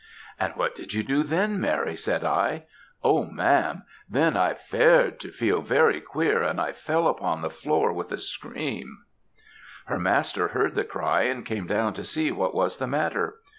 "'And what did you do then, Mary?' said I. "'Oh, ma'am, then I fared to feel very queer, and I fell upon the floor with a scream.' "Her master heard the cry, and came down to see what was the matter.